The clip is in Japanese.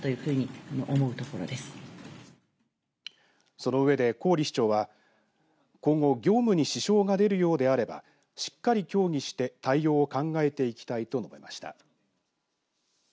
そのうえで郡市長が今後業務に支障が出るようであればしっかり協議して対応を考えていきたいと述べました。